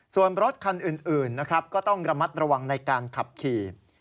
ส่วนรถคันอื่นนะครับก็ต้องระมัดระวังในการขับขี่